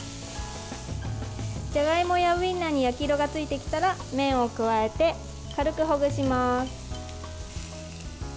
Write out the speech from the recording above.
じゃがいもやウインナーに焼き色がついてきたら麺を加えて、軽くほぐします。